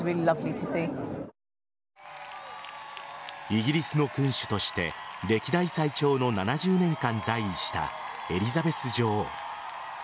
イギリスの君主として歴代最長の７０年間在位したエリザベス女王。